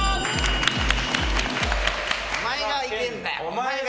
お前がいけないんだよ。